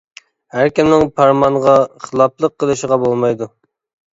ھەر كىمنىڭ پەرمانغا خىلاپلىق قىلىشىغا بولمايدۇ.